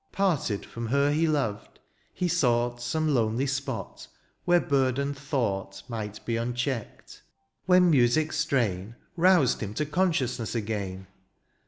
Parted from her he loved, he sought Some lonely spot where burdened thought Might be unchecked, when music's strain Roused him to consciousness again.